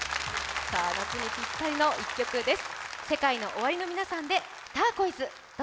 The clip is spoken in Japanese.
夏にぴったりの１曲です。